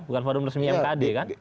bukan forum resmi mkd kan